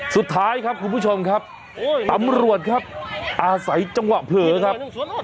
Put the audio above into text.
สุดท้ายครับคุณผู้ชมครับตำรวจครับอาศัยจังหวะเผลอครับ